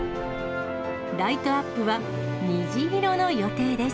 ライトアップは虹色の予定です。